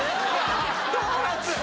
ドーナツ。